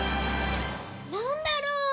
なんだろう？うお。